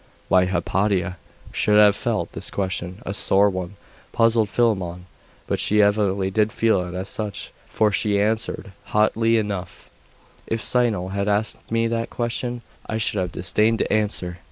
Why Hypatia should have felt this question a sore one, puzzled Philammon; but she evidently did feel it as such, for she answered haughtily enough 'If Cyril had asked me that question, I should have disdained to answer.